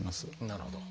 なるほど。